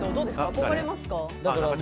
憧れますか？